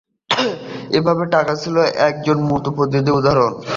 এভাবে এটা ছিল একজন মূর্ত প্রতিনিধির উদাহরণ।